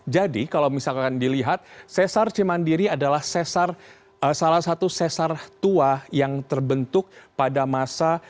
jadi kalau misalkan dilihat sesar cimandiri adalah salah satu sesar tua yang terbentuk pada masa